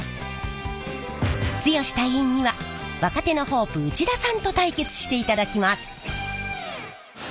剛隊員には若手のホープ内田さんと対決していただきます。